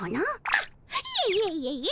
あっいえいえいえいえ。